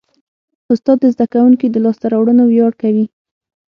استاد د زده کوونکي د لاسته راوړنو ویاړ کوي.